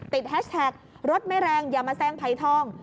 แฮชแท็กรถไม่แรงอย่ามาแซงไผ่ทอง